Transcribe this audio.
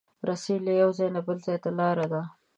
رسۍ له یو ځایه بل ځای ته لاره ده.